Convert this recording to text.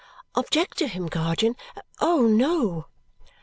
"Object to him, guardian? Oh no!"